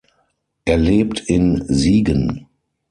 Er lebt in Siegen.